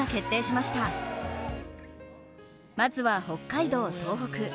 まずは北海道東北。